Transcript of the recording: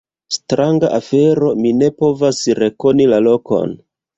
Stranga afero, mi ne povas rekoni la lokon!